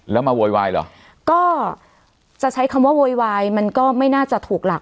แล้วมาโวยวายเหรอก็จะใช้คำว่าโวยวายมันก็ไม่น่าจะถูกหลัก